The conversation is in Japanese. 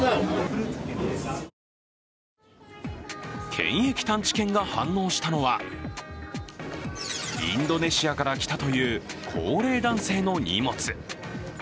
検疫探知犬が反応したのはインドネシアから来たという高齢男性の荷物。